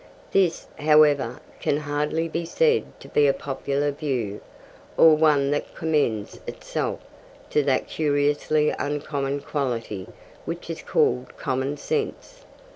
This, however, can hardly be said to be a popular view, or one that commends itself to that curiously uncommon quality which is called common sense.